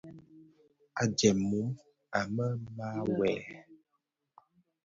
A jèm mum, a mêê maàʼyèg.